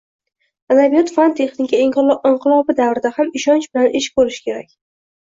Adabiyot fan-texnika inqilobi davrida ham ishonch bilan ish ko`rish kerak